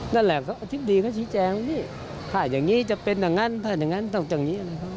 นั่นแหละอธิบดีเขาชี้แจงว่านี่ถ้าอย่างนี้จะเป็นอย่างนั้นถ้าอย่างนั้นต้องอย่างนี้นะครับ